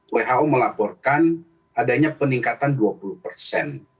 who melaporkan adanya peningkatan dua puluh persen